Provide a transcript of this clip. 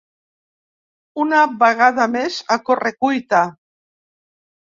Una vegada més a corre-cuita.